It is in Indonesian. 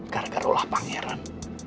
gara gara olah pangeran